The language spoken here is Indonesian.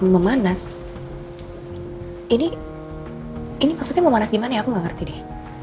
memanas ini maksudnya memanas gimana ya aku gak ngerti deh